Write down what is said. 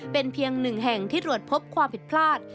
เป็นเพียงหนึ่งแห่งที่ตรวจพบความผิดพลาด